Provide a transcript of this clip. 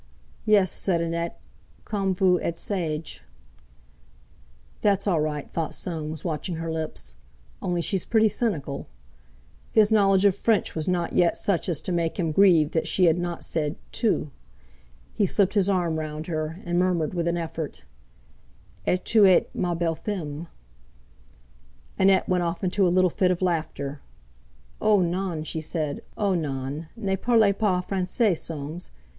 "Yes," said Annette; "comme vous êtes sage." "That's all right," thought Soames, watching her lips, "only she's pretty cynical." His knowledge of French was not yet such as to make him grieve that she had not said "tu." He slipped his arm round her, and murmured with an effort: "Et vous êtes ma belle femme." Annette went off into a little fit of laughter. "Oh, non!" she said. "Oh, non! ne parlez pas Français, Soames.